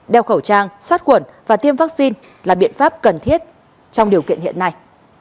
đeo khẩu trang sát khuẩn và tiêm vaccine là biện pháp cần thiết trong điều kiện hiện nay